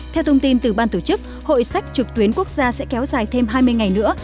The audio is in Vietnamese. theo thông tin từ ban tổ chức hội sách trực tuyến quốc gia sẽ kéo dài thêm hai mươi ngày nữa